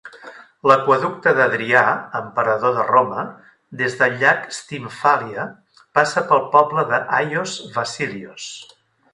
L'aqüeducte d'Adrià, emperador de Roma, des del llac Stymfalia, passa pel poble de Ayios Vasilios.